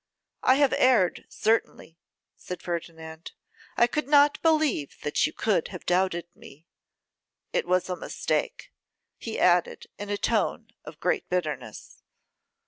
I have erred certainly,' said Ferdinand; 'I could not believe that you could have doubted me. It was a mistake,' he added, in a tone of great bitterness.